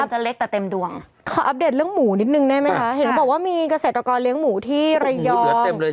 เห็นเขาบอกว่ามีเกษตรกรเลี้ยงหมูทางไรยอง